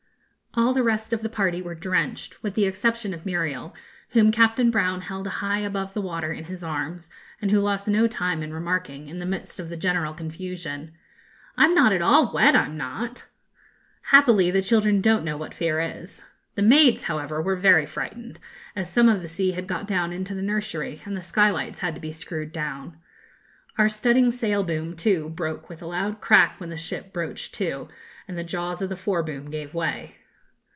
All the rest of the party were drenched, with the exception of Muriel, whom Captain Brown held high above the water in his arms, and who lost no time in remarking, in the midst of the general confusion, 'I'm not at all wet, I'm not.' Happily, the children don't know what fear is. The maids, however, were very frightened, as some of the sea had got down into the nursery, and the skylights had to be screwed down. Our studding sail boom, too, broke with a loud crack when the ship broached to, and the jaws of the fore boom gave way.